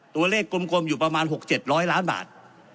กลมอยู่ประมาณ๖๗๐๐ล้านบาท